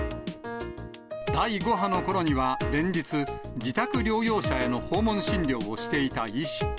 第５波のころには、連日、自宅療養者への訪問診療をしていた医師。